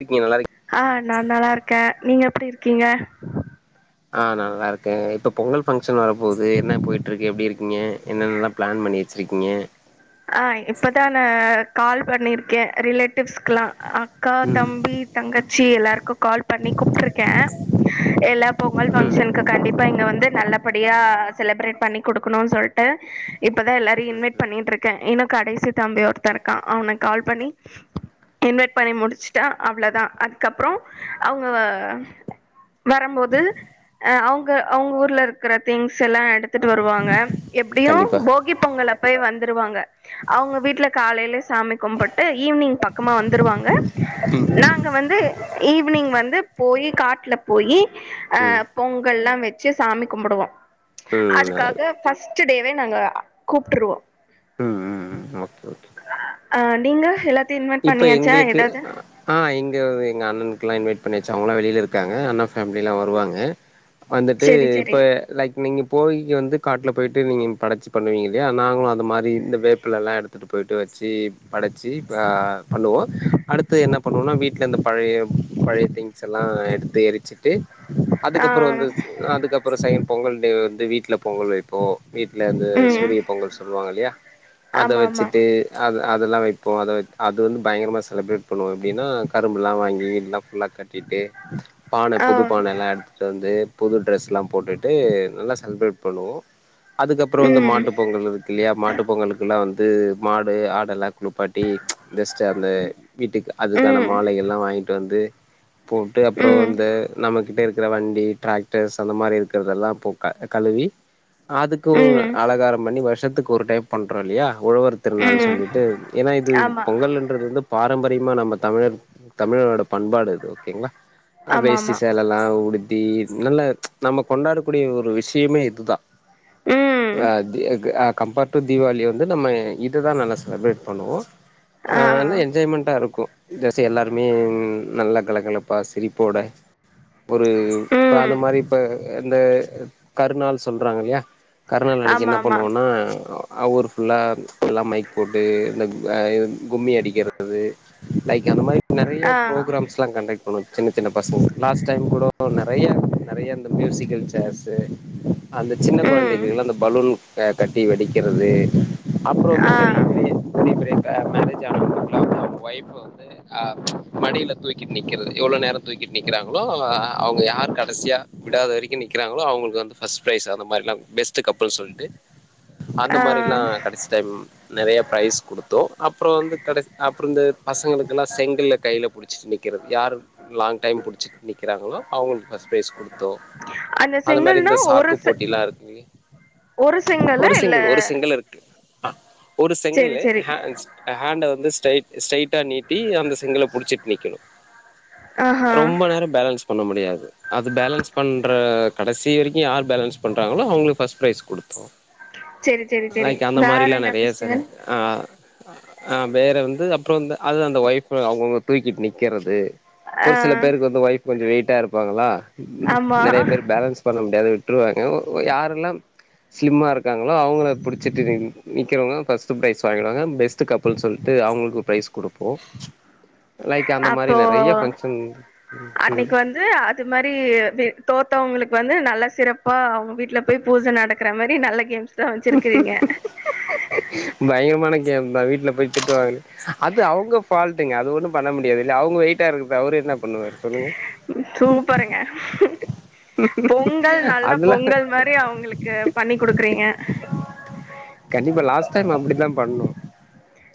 இருக்கங்க நல்லா இருக் அ நா நல்லா இருக்கே நீங்க எப்டி இருக்கீங்க ஆ நல்லா இருக்கே இப்ப பொங்கல் ஃபங்க்ஷன் வர போது என்ன போய்ட்டு இருக்கு எப்டி இருக்கீங்க என்னன்ல்லா பிளான் பண்ணி வச்சியிருக்கீங்க அ இப்பதா கால் பண்ணியிருக்கே ரிலேட்டிவ்ஸ்க்கெல்லா அக்கா ம் தம்பி தங்கச்சி எல்லாருக்கு கால் பண்ணி கூப்பிட்டுருக்கே எல்லா பொங்கல் ம் ஃபங்க்ஷனு்கு கண்டிப்பா இங்க வந்து நல்லபடியா செலிப்ரேட் பண்ணி குடுக்கணும்னு சொல் ட்ட இப்பதா எல்லாரு ம் இன்வைட் ம் பண்ணிட்டு இருக்கே இன்னு கடைசி தம்பி ஒருத்த இருக்கா அவன கால் பண்ணி இன்வைட் பண்ணி முடிச்சுட்டா அவ்ளோதா அதுக்கப்பறோ அவ்ங்க வரம்போது அ அவங்க அவங்க ஊர்ல இருக்கிற திங்ஸ் எல்லா எடுத்துட்டு வருவாங்க எப்டியு கண்டிப்பா போகி பொங்கல் அப்பயே வந்துருவாங்க அவங்க வீட்டுல காலைலே சாமி கும்புட்டு ஈவினிங் பக்கமா வந்துருவாங்க நாங்க வந்து ஈவி்னிங் வந்து போயி காட்ல போயி அ ம் பொங்கல்லா வச் சு சாமி கும்புடுவோ ம் நல்லது அதுக்காக ஃபஸ்டு டேவே நாங்க கூப்ட்டுருவோ ம் ம் ம் ஓகே ஓகே ஆ நீங்க எல்லாத்தையு இன்வைட் இப்ப பண்ணியாச்சா எங்களுக்கு எதாவ்து ஆ இங்க எங்க அண்ணனுக்குல்லா இன்வைட் பண்ணியாச்சு அவங்களா வெளியில இருக்காங்க அண்ண தம்பிலா வருவாங்க வந்துட்டு செரி செரி இப்ப லைக் நீங்க போகிக்கு வந்து காட்ல போயிட்டு நீங்க படைச்சி பண்ணுவீங்க இல்லையா நாங்களு அது மாரி இந்த வேப்பிலல்லா எடுத்து ட்டு போயிட்டு வச்சு படச்சி வ பண்ணுவோ அடுத்து என்ன பண்ணுவோனா வீட்ல இந்த பழைய பழைய திங்ஸ் எல்லா எடுத்து எறி ச்சுட்டு ஆ அதுக்கப்பறோ வந்து அதுக்கப்பறோ சாய்ங்காம் பொங்கல் டே வந்து வீட்ல பொங்கல் வைப்போ வீட்லருந்து ம் சூரிய பொங்கல் சொல்லுவாங்க இல்லையா அத ஆமா ஆமா வச்சுட்டு அது அதெல்லா வைப்போ அத வெ அது வந்து பயங்கரமா செலெப்ரேட் பண்ணுவோ எப்டின்னா கரும்புல்லா வாங்கி எல்லா ஃபுல்லா கட்டிட்டு பான புது ஆ பானல்லா எடுத்துட்டு வந்து புது ட்ரெஸ்லா போட்டுட்டு நல்லா செலிப்ரேட் பண்ணுவோ அதுக்கப்பறோ இந்த ம் மாட்டுப்பொங்கல் இருக் குல்லையா மாட்டு பொங்கலுக்கு எல்லா வந்து மாடு ஆடெல்லா குளுப்பாட்டி ஜஸ்ட் அந்த வீட்டுக்கு அதுக்கான ம் மாலைகள்ல்லா வாங்கிட்டு வந்து போட்டு அப்பறோ ம் இந்த நம்மகிட்ட இருக்கிற வண்டி டிராக்டர்ஸ் அந்த மாரி இருக்குறதெல்லா இப்போ க கழுவி அதுக்கு ம் அலங்காரம் பண்ணி வருஷத்துக்கு ஒரு டைம் பண்றோ இல்லியா உழவர் திருநாள் ம் சொல்லிட்டு ஏனா இது ஆமா ங்கல்ன்றது வந்து பாரம்பரியமா நம்ம தமிழர் தமிழரோட பண்பாடு அது ஓகேங்ளா அ ஆமா வேஷ்டி ஆமா சேலல்லா உடுத்தி நல்லா நம்ம கொண்டாடக்கூடிய ஒரு விஷயமே இதுதா ம் அப்டி க் அ கம்பேர் டு தீவாளி வந்து நம்ம இதுதா நல்லா செலப்ரேட் பண்ணுவோ அ ஆ நல்லா என்ஜாய்மெண்ட்டா இருக்கு ஜஸ்ட்டு எல்லாருமே நல்லா கல கலப்பா சிரிப்போட ஒரு இப்ப ம் அந்த மாரி இப்ப இந்த கருநாள் சொல்றாங்க இல்லையா கருநாள் அனைக்கு ஆமா என்ன ஆமா பண்ணுவோனா அ ஊர் ஃபுல்லா எல்லா மைக் போட்டு இந்த அ இ கும்மி அடிக்கிறது லைக் அந்த மாரி நெறைய ஆ ப்ரோக்ராம்ஸ்லா கண்டக்ட் பண்ணு சின்ன சின்ன பசங்க லாஸ்ட் டைம் கூடோ நெறைய நெறைய இந்த மியூசிக்கல் சேர்ஸ் அந்த சின்ன ம் குழந்தைகள் அந்த பலூன் க கட்டி வெடிக்கிறது அப்பறோ வந்து ஆ பெரிய பெரிய பெரிய பெரிய க மேரேஜ் ஆனவங்களா அவ்ங்கவ்ங்க ஒய்ஃப் அ மடில தூக்கிட்டு நிக்கிறது எவ்ளோ நேரோ தூக்கிட்டு நிக்கறாங்களோ அ அவங்க யாரு கடைசியா விடாத வரைக்கு நிக்கிறாங்களோ அவங்களுக்கு வந்து ஃபர்ஸ்ட் ப்ரைஸ் அந்த மாரில்லா ஃபெஸ்ட்டு கப்புல் சொல்ட்டு அந்த ஆ மாரில்லா கடைசி டைம் நெறைய பிரைஸ் குடுத்தோ வந்து கடைஸ் அப்பறோ இந்த பசங்களுக்கெல்லா செங்கல்ல கைல புடிச்சிட்டு நிக்கறது யாரு லாங் டைம் புடிச்சிட்டு நிக்கிறாங்களோ அவங்களுக் ஃபர்ஸ்ட் ப்ரைஸ் குடுத்தோ அந்த அது மாரி செங்கல்னா இந்த ஒரு சாக்கு செ போட்டில்லா இருக்கு ஒரு செங்கலா ஒரு இல்ல சிங்கிள் ஒரு சிங்கிள் இருக் ஒரு செங்கல் சேரி சேரி ஹேண்ஸ் ஹேண்ட வந்து ஸ்ட ஸ்ட்ரைட்டா நீட் டீ அந்த செங்கல புடிச்சிட்டு நிக்கணு ஆஹா ரொம்ப நேரோ பேலன்ஸ் பண்ண முடியாது அது பேலன்ஸ் பண்ற கடைசி வரைக்கு யார் பேலன்ஸ் பண்றாங்களோ அவங்களுக்கு பஸ்ட் ப்ரைஸ் குடுத்தோ சேரி சேரி சேரி லைக் அந்த வேற மாரில்லா என்ன நெறைய செய்ர ஃபெஸ்டிவல் அ அ வேற வந்து அப்புறம் இந்த அது அந்த ஒய்ஃப் அவங்கவுங்க தூக்கிட் நிக்கறது ஆ ஒரு சில பேருக்கு வந்து ஒய்ப் கொஞ்சம் வெயிட்டா இருப்பாங்களா ஆமா நெறைய பேர் பேலன்ஸ் பண்ண முடியாது விட்டுருவாங்க யாரெல்லாம் ஸ்லிம்மா இருக்காங்களோ அவங்கள பிடிச்சிட்டு நிற்கிறவங்க ஃபஸ்ட்டு ப்ரைஸ் வாங்கிடுவாங்க பெஸ்ட் டு கப்புல் சொல்ட்டு அவங்களுக்கு ப்ரைஸ் குடுப்போ லைக் அந்த மாரி அப்போ நெறைய பங்க்ஷன் அன்னைக்கு வந்து அது மாரி தோத்தவங்களுக்கு வந்து நல்ல சிறப்பா அவங்க வீட்ல போய் பூஜை நடக் கற மாரி நல்ல கேம்ஸ் பயங்கரமான கேம்ந்தா வீட்ல போய் திட்டுவாங்க அது அவ்ங்க ஃபால்ட்டுங்க அது ஒண்ணு பண்ண முடியாது இல்ல அவங்க வெயிடிட்டா இருக்கறத அவரு என்ன பண்ணுவாரு சொல்லுங்க சூப்பருங்க பொங்கல் நல்ல அதெல்லா பொங்கல் மாரி அவங்களுக்கு பண்ணி குடுக்கறீங்க கண்டிப்பா லாஸ்ட் டைம் அப்டி தா பண்ணோ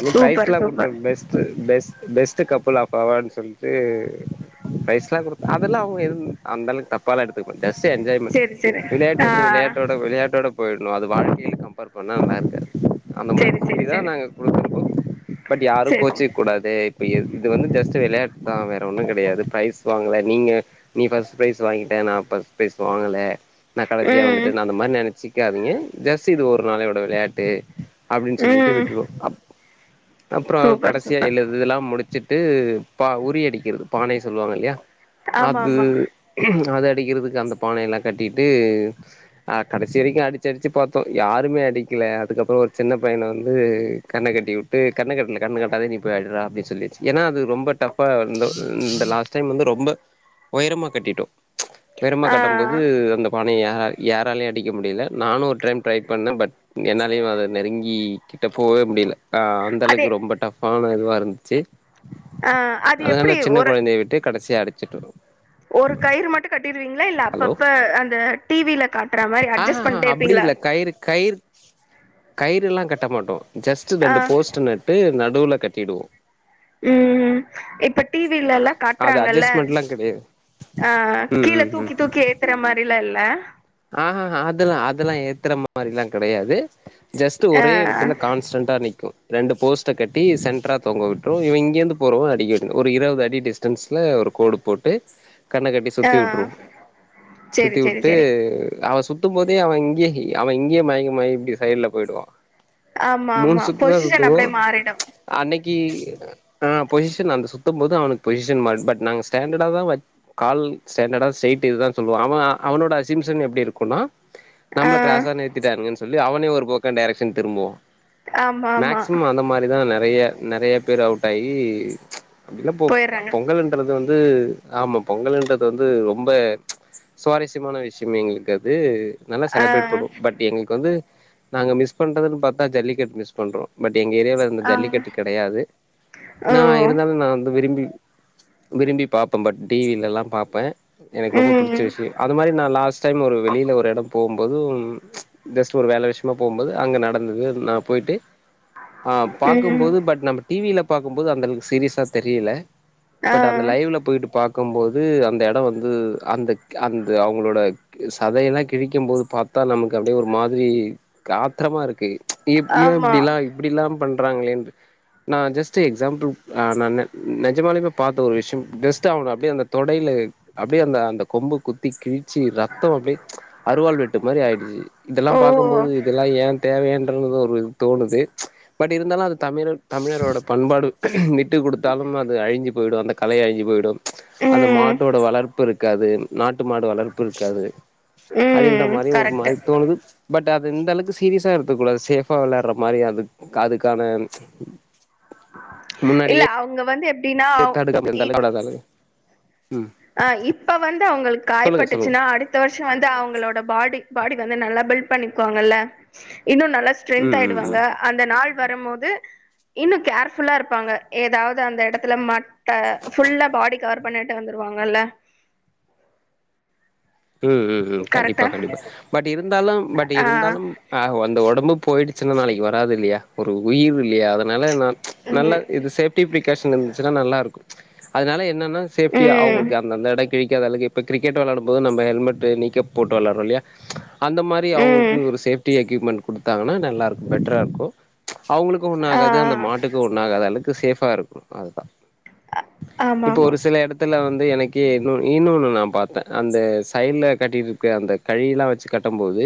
அ சூப்பர் ப்ரைஸ்லா குடுத்தோ super best best best couple of அவார்ட்டுன் சொல்ட்டு பிரைஸ்லா குடுத்தோ அதெல்லா அவங்க எதும் அந்த அளவு தப் பால்லா எடுத்துக்கமாட்டாங் ஜஸ்ட் என்ஜாய்மெண்ட் சேரி சேரி விளையாட்டு ஆ வந்து விளையாட்டோட விளையாட்டோட போயிட்ணு அது வாழ்க்கைல ஒன்னா [unintelligible] அந்த மாறி சேரி சொல்லி சேரி தா சேரி நாங்க குடுத்துருக்கோ பட் யாரு சேரிங்க கோச்சிக் கூடாது இப்ப இது வந்து ஜஸ்ட் விளையாட்டு தா வேற ஒன்னு கெடையாது ப்ரைஸ் வாங்கல நீங்க நீ பர்ஸ்ட் பிரைஸ் வாங்கிட்டே நா பர்ஸ்ட் பிரைஸ் வாங்கல நா கடைசியா ம் வந்துட்டேன் நா அந்த மாரி நொனைச்சிக்காதீங்க ஜஸ்ட் இது ஒரு நாளையோட விளையாட்டு அப்டின் சொல்லிட்டு ம் விட்ருவோ அப்பறம் சூப்பர் கடைசியா சூப்பர் எழுது இதெல்லா முடிச்சுட்டு பா உரியடிக்கிறது பானை சொல்லுவாங்க இல்லையா ஆமா அது ஆமா அத அடிக்கிறதுக்கு அந்த பானையொல்லா கட்டிட்டு அ கடைசி வரைக்கு அடிச்சு அடிச்சு பார்த்தோ யாருமே அடிக்கல அதுக்கப்றஃ ஒரு சின்ன பையனை வந்து கண்ண கட்டி வுட்டு கண்ணக்கட்டில கண்ண கட்டாதே நீ போய் அட்றா அப்டி சொல்லியுச்சு ஏன்னா அது ரொம்ப டஃப்பா இந்த லாஸ்ட் டைம் வந்து ரொம்ப உயரமா கட்டிட்டோ உயரமா ஆ கட்டும் போது அந்த பானைய யார் யாராலயு அடிக்க முடியல நானு ஒரு டைம் ட்ரை பண்ண பட் என்னாலியு அத நெருங்கி கிட்ட போவே முடியல அ அந் அதே தளவுக்கு ரொம்ப டஃபான இதுவா இருந்துச்சி ஆ அது அதனால எப்டி சின்ன ஒரு கொழந்தையை விட்டு கடைசியா அடிச்சிடோ ஒரு கயிறு மட்டு கட்டிருவீங்களா இல்ல ஹலோ அப்பப்ப அந்த டிவில மாரி அட்ஜஸ்ட் ஆஹ்ஹஹா பண்ணிட்டே அப்டி இருப்பீங்களா இல்ல கயிறு கயிற் கயிறு ல்லா கட்ட மாட்டோ ஜஸ்ட் ஆ ரெண்டு போஸ்ட்டு நட்டு நடுவுல கட்டிடுவோ ம் ம் இப்ப டி வி ல ல்லா அது காட்றாங்கல்ல அட்ஜஸ்ட்மெண்ட்லா கெடையாது அ ம் கீழ ம் தூக்கி தூக்கி ஏ க்கற மாரில்லா இல்ல ஆஹ்ஹஹா அதல்லா அதல்லா ஏத்துற மாரில்லா கெடையாது ஜஸ்ட் ஆ ஒரே எடத்துல ஸ்டென்டாற நிக்கு ரெண்டு போஸ்ட கட்டி சென்டரா தங்க விட்ட இவ இங்கிருந்து போறவ அடி ஒரு இருபது அடி டிஸ்ட் டன்ஸ்ல் ஒரு கோடு போட்டு கண்ணை கட்டி ஆ சுத்தி வுட்டுருவோ சேரி சுத்தி சேரி வுட்டு சேரி அவ சுத்தும் போதே அவ இங்யே அவ இங்யே மயங்கமாயி இப்டி சைட்ல போயிடுவா ஆமா மூணு ஆமா சுத்து தா பொசிஷன் சுத்துவோ அப்டியே மாறிடு அன்னைக்கு ஆ பொசிஷன் அந்த சுத்தும் போது அவனுக்கு பொசிஷன் மாறு பட் நாங்க ஸ்டேண்டர்டா தா வச் கால் ஸ்டேண்டடா ஸ்ட்ரெயிட் இதுதா சொல்லுவா அவன் அவனோட ஜிம்சன் எப்டி இருக்கும்னா ஆ நம்மள கிராஸ்சா நிறுத்திடாங்கன்னு சொ ல்லி அவனே ஒரு போக்கோ டேரெக்க்ஷன் திரும்புவோ ஆமா ஆமா மேக்சிம் அந்த மாரி தா நெறைய நெறைய பேரு அவ்ட் ஆயி அப்டில்லா பொ ஆ போயிறாங்க பொங்கல்ல ன்றது வந்து ஆமா பொங்கல்ன்றது வந்து ரொம்ப சுவாரஸ்யமான விஷ் யம் எங்களுக்கு அது நல்லா ஆ செலப்ரேட் பண்ணுவோ பட் எங்களுக்கு வந்து நாங்க மிஸ் பண்றதுன்னு பாத்தா ஜல்லிக்கட்டு மிஸ் பண்றோ பட் எங்க ஏரியால இந்த ஆ ஜல்லிக்கட்டு கெடையாது ஓ நா இருந்தாலு நா வந்து விரும்பி விரும்பி பாப்பே பட் டிவில எல்லா பாப்பே எனக்கு ரொம்ப பிடிச்ச ம் விஷ்யோ அது மாரி நா லாஸ்ட் சைம் ஒரு வெளில ஒரு யெடோ போம்போது ஜஸ்ட் ஒரு வேல விஷ்மா போம்போது அங்க நடந்துது நா போய்ட்டு ஆ ம் பாக்கும்போது பட் நம்ம டிவில பாக்கும்போது அந்த அளவுக்கு சீரியஸா தெரியல ஆ பட் அந்த லைவ்ல போய்ட்டு பாக்கம்போது அந்த எடோ வந்து அந்த க்க அந்த அவங்ளோட சதையெல்லா கிழிக்கும்போது பாத்தா நமக்கு அப்படியே ஒரு மாதிரி ஆத்தரமா இருக்கு எப் யே ஆமா இப்டிலா இப்டில்லா பண்றாங்களேண் நா ஜஸ்ட்டு எக்ஸாம்பிள் நா ந நெஜமாலுமே பாத்த ஒரு விஷ்யம் ஜஸ்ட்டு அவனை அப்படியே அந்த தொடையில அப்படியே அந்த அந்த கொம்பு குத்தி கிழிச்சி இரு த்தோ அப்டி ச் அறுவாள் வெட்டு மாரி ஆய்டுச்சு இதெல்லா ஓ பாக்கம்போது இதெல்லா ஏ தேவையா ன்ற ஒரு தோணுது பட் இருந்தாலு அது தமிழர் தமிழரோட பண்பாடு விட்டு குடுத்தாலும் அது அழிஞ்சு போய்டும் அந்த கலை அழிஞ்சு போய்டும் அந்த ம் மாட்டோட வளர்ப்பு இருக்காது நாட்டு மாடு வளர்ப்பு இருக்காது அப்படின்ற ம் மாறி ஒரு கரெக்ட் மாறி தோணுது பட் அது இந்தந்த அளவுக்கு சீரியஸா இருக்க கூடாது சேஃபா விளாடுற மாறி அது அதுக்கான இல்ல முன்னாடியே அவங்க வந்து எப்டின்னா இ [inaudible] ஆ இப்ப வந்து அவங்களுக் காய சொல்லுங்க சொல்லுங்க பட்டுச்சுன்னா அடுத் இந்த வருஷம் வந்து அவங்களோட பாடி பாடி வந்து நல்லா பில்ட் பண்ணிக்குவாங்கல்ல இன்னு நல்லா ஸ்ட்ரென்த் ம் ம் ம் ஆயிடுவாங்க அந்த நாள் வரம்மோது இன்னு கேர்ஃபுல்லா இருப்பாங்க ஏதாவது அந்த யெடத்துல மாட் டா ஃபுல்லா பாடி கவர் பண்ணிட்டு வந்துருவாங்கல்ல ம் ம் ம் கண்டிப்பா கரெக்டா கண்டிப்பா பட் இருந்தாலும் பட் ஆ இருந்தாலும் ஆ அந்த ஒடம்பு போயிடுச்சுன்னா நாளைக்கு வராது இல்லையா ஒரு உயிர் இல்லையா அத னால நல்லா ம் இது சேஃப்டி பிரிகாஷன் இருந்துச்சுன்னா நல்லா இருக்கும் அதுனால என்னென்ன சேப்டியா ம் அவங்ளுக்கு அந்தந்தட கிழிக்காத அளக்கு இப்ப க்ரிக்கெட் வெளாடும்போது நம்ம ஹெல்மெட் நீக்கப் போட்டு விளையாடுறோ இல்லையா அந்த மாரி ம் அவங்களுக்குன்னு ஒரு சேப்டி எக்யூப்மெண்ட் குடுத்து தாங்கன்னா நல்லாருக்கு பெட்டரா இருக்கும் அவ்ங்ளுக்கு ஒண்னு ஆ ஆகாது அந்த மாட்டுக்கு ஒண்னு ஆகாது அலுக்கு சேஃபா இருக்கு அதுதா ஆமா இப்ப ஆமா ஒரு சில இடத்துல வந்து எனக்கு இன்னும் இன்னொன்னு நா பாத்தே அந்த சைட்ல கட்டிருக்க அந்த கயிர்லா வச்சு கட்டம்போது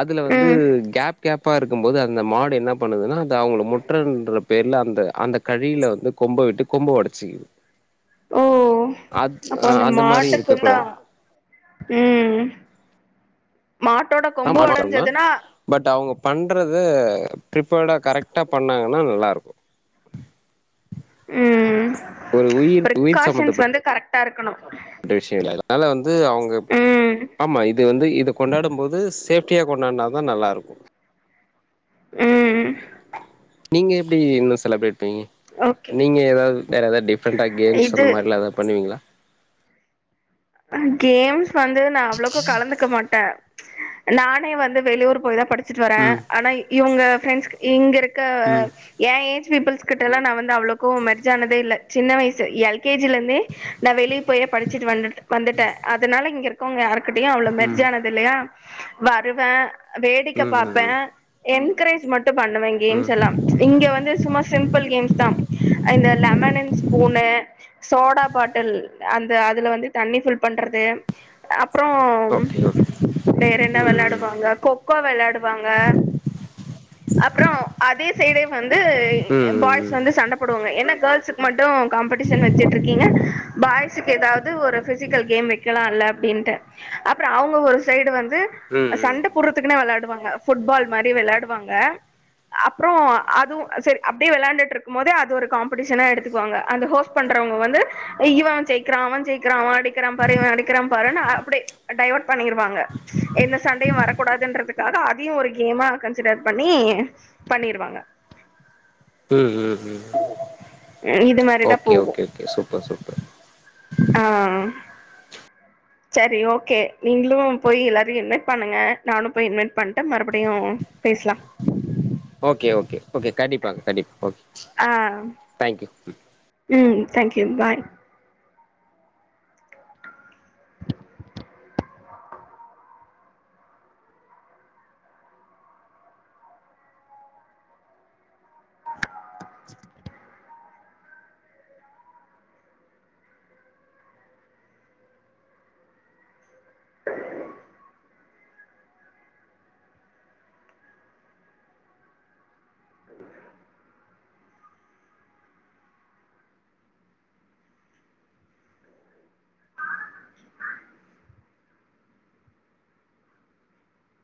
அதுல வந்து ம் கேப் கேப் ப்பா இருக்கம்போது அந்த மாடு என்ன பண்ணுதுன்னா அது அவங்கள் முட்றதுன்ற பேர்ல அந்த அந்த கழியில வந்து கொம்ப விட்டு கொம்ப ஒடச்சிக்குது ஓ அத் அப்போ ஆ அந்த மாரி இருக்க மாட்டுக்குந்தா கூடாது ம் மாட்டோட கொம்பு ஒடஞ்சதுனா பட் அவங்க பண்றது ப்ரிப்பேர்டா கரெக்டா பண்ணாங்கன்னா நல்லாருக்கும் ம் ஒரு உயிர் உயிர் ப்ரிக்காஷன்ஸ் சம்பந்தப்பட்ட வந்து கரெக்ட்டா இருக்கணு [unintelligible] அதனால வந்து அவுங்க ம் ஆமா இது வந்து இது கொண்டாடுபோது சேஃப்டியா கொண்டாடுனா தா நல்லாருக்கு ம் நீங்க எப்டி இன்னு செலப்ரேட்பீங்க ஓகே நீங்க ஏதாவு வேற ஏதாவுது டிப்ரண்டா கேம்ஸ் அந்த இது மாறில்லா ஏதாவுது பண்ணுவீங்ளா கேம்ஸ் வந்து நா அவ்ளோக்கா கலந்துக்க மாட்டே நானே வந்து வெளியூர் போய் தா படி ச்ட்டு வரே ம் ஆனா இவங்க ஃப்ரெண்ட்ஸ் இங்க இருக்க ம் ஏ ஏஜ் பீப்புள்ஸ் கிட்ட லா நா வந்து அவ்ளோக்கு மெர்ஜ் ஆனதே இல்ல சின்ன வயசு எல்கேஜில ருந்தே நா வெளிய போயே படிச்சுட்டு வந்துட்டு வந்துட்டே அதனால இங்க இருக் கோங்க யாருகிட்டயு அவ்ளோ ம் மெர்ஜானதுல்லயா வருவே வேடிக்க ம் பாப்பே ம் என்க்ரேஜ் மட்டு பண்ணுவ கேம்ஸ் ம் ம் எல்லா இங்க வந்து சும்மா சிம்பிள் கேம்ஸ் தா இந்த lemon and spoon soda bottle அந்த அதுல வந்து தண்ணி ஃபுல் பண்றது அப்றோ ம் ஓகே ஓகே ம் வேறென்ன ம் ம் ம் ம் ம் வெளாடுவாங்க கொக்கோ வெளாடுவாங்க அப்றோ அதே சைடே வந்து பாய்ஸ் வந்து சண்ட போடுவாங்க ஏன்னா கேர்ள்ஸுக்கு மட்டு காம்படிஷன் வச்சுட்டு இருக்கீங்க பாய்ஸுக்கு ஏதாவுது ஒரு பிசிக்கல் கேம் வெக்கலால்ல அப்டின்ட்டு அப்ரோ அவுங்க ஒரு சைடு வந்து ம் சண்ட போட்றத்துக்குன்னே வெளயாடுவாங்க ஃபுட்பால் மாரி வெளயாடுவாங்க அப்ரோ அதுவு சேரி அப்டியே வெளான்டுட்ருக்கு போதே அது ஒரு காம்படிஷனா எடுத்துக்குவாங்க அந்த ஹோஷ் பண்றவங்க வந்து இவா ஜெய்க்றா அவே ஜெய்க் றா அவே அடிக்கிறா பாரு இவே அடிக்கிறா பாருனு அப்டி டைவர்ட் பண்ணிருவாங்க எந்த சண்டையு வரக்கூடாதுன்றதுக்காக அதயு ஒரு கேமா கன்சிடர் பண்ணி பண்ணிருவாங்க ம் ம் ம் இது மாரிதா ஓகே போகு ஓகே ஓகே சூப்பர் சூப்பர் ஆ சரி ஓகே நீங்ளு போய் எல்லோரயு இன்வைட் பண்ணுங்க நானு போய் இன்வைட் பண்ணிட்டு மறுபடியு பேச்லா ஓகே ஓகே ஓகே கண்டிப்பாங்க கண்டிப்பாங் ஓகே ஆ தேங்க்யூ ம் தேங்க்யூ பாய் ப் ப்